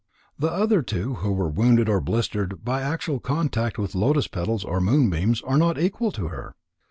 The other two who were wounded or blistered by actual contact with lotus petals or moonbeams, are not equal to her."